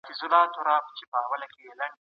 سود خوړل په اسلام کي حرام دي.